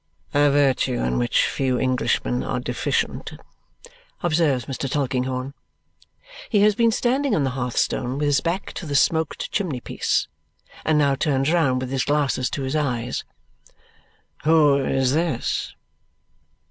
"A virtue in which few Englishmen are deficient," observes Mr. Tulkinghorn. He has been standing on the hearthstone with his back to the smoked chimney piece, and now turns round with his glasses to his eyes. "Who is this?